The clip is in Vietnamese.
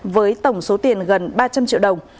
với tổng số tiền gần ba trăm linh triệu đồng